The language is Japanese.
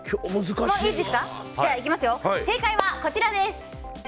正解はこちらです。